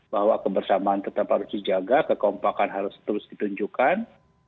bahwa kebersamaan tetap harus dijaga kekompakan harus terus ditunjukkan